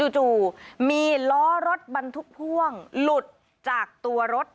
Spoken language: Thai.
จู่มีล้อรถบรรทุกพ่วงหลุดจากตัวรถ